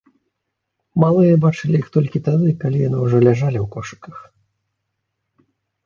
Малыя бачылі іх толькі тады, калі яны ўжо ляжалі ў кошыках.